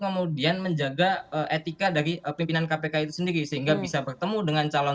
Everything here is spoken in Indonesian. kemudian menjaga etika dari pimpinan kpk itu sendiri sehingga bisa bertemu dengan calon